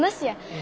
え？